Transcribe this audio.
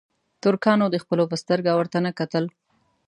ترکانو د خپلو په سترګه ورته نه کتل.